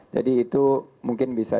jadi itu mungkin bisa